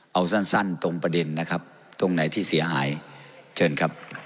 เอาสั้นตรงประเด็นนะครับตรงไหนที่เสียหายเชิญครับ